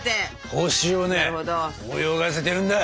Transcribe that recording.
ホシをね泳がせてるんだ！